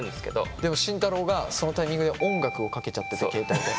でも慎太郎がそのタイミングで音楽をかけちゃってて携帯で。